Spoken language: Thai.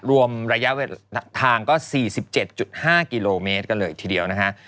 รวมระยะทางก็๔๗๕กิโลเมตรกันเลยทีเดียวนะฮะ